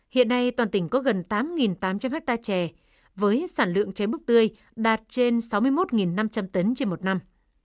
hiện nay toàn tỉnh có gần tám tám trăm linh hectare chè với sản lượng chè búp tươi đạt trên sáu mươi một năm trăm linh tấn trên một năm